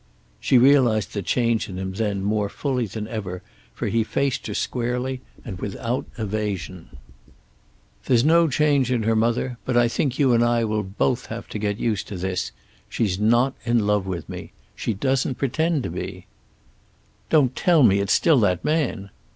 She realized the change in him then more fully than ever for he faced her squarely and without evasion. "There's no change in her, mother, but I think you and I will both have to get used to this: she's not in love with me. She doesn't pretend to be." "Don't tell me it's still that man!"